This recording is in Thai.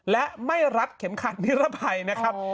และไม่รัดเข็มขัดนิรภัยนะครับ